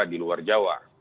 di luar jawa